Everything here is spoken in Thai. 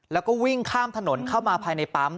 แล้วก็วิ่งข้ามถนนเข้ามาภายในปั๊ม